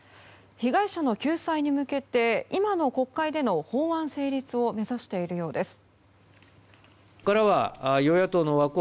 被害者の救済に向けて今の国会での法案成立を目指しているようです。